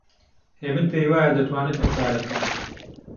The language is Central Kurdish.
هێمن پێی وایە دەتوانێت ئەو کارە بکات.